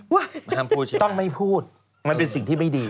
วะต้องไม่พูดมันเป็นสิ่งที่ไม่ดี